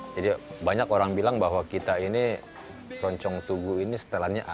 jadi banyak orang bilang bahwa kita ini keroncong tugu ini setelannya a